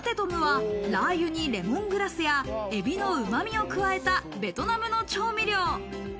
ラー油にレモングラスやエビの旨味を加えたベトナムの調味料。